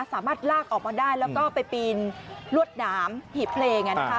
สามารถลากออกมาได้แล้วก็ไปปีนลวดหนามหีบเพลง